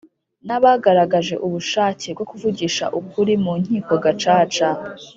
n abagaragaje ubushake bwo kuvugisha ukuri mu nkiko Gacaca